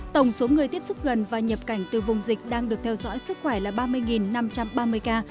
tổng số người tiếp xúc gần và nhập cảnh từ vùng dịch đang được theo dõi sức khỏe là ba mươi năm trăm ba mươi ca